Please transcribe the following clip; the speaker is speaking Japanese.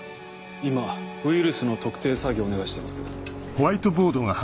今ウイルスの特定作業をお願いしています。